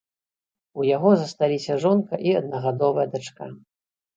У яго засталіся жонка і аднагадовая дачка.